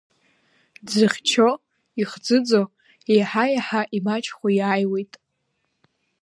Дзыхьчо, ихӡыӡо еиҳа-еиҳа имаҷхо иааиуеит.